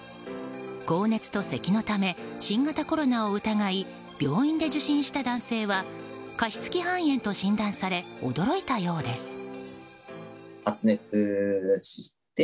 高熱とせきのため新型コロナを疑い病院で受診した男性は加湿器肺炎と診断され驚いたようです。